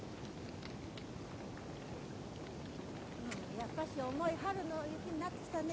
やっぱし重い春の雪になってきたね。